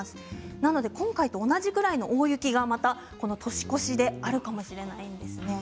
なので今回と同じように大雪が年越しであるかもしれないですね。